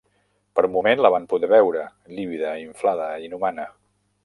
Per un moment la van poder veure, lívida, inflada, inhumana.